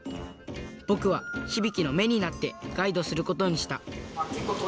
僕はひびきの目になってガイドすることにした。